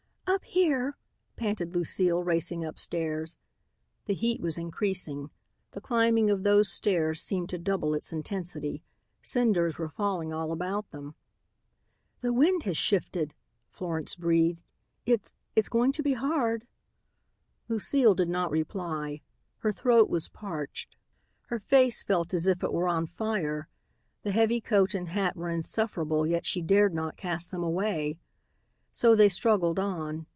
"Up here," panted Lucile, racing upstairs. The heat was increasing. The climbing of those stairs seemed to double its intensity. Cinders were falling all about them. "The wind has shifted," Florence breathed. "It it's going to be hard." Lucile did not reply. Her throat was parched. Her face felt as if it were on fire. The heavy coat and hat were insufferable yet she dared not cast them away. So they struggled on.